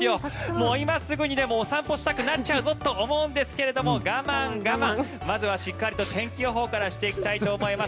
もう今すぐにでもお散歩したくなっちゃうぞと思うんですけど我慢我慢まずはしっかりと天気予報からしていきたいと思います。